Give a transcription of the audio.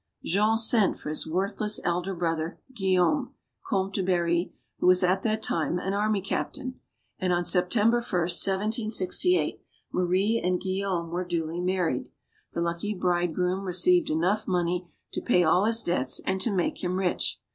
Jean sent for his worthless elder brother, Guillaume, Comte du Barry, who was at that time an army cap tain. And on September 1 , 1 768, Marie and Guillaume were duly married. The lucky bridgegroom received enough money to pay all his debts and to make him rich.